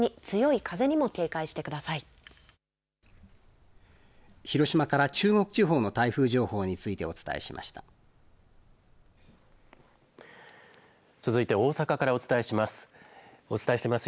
続いて大阪からお伝えします。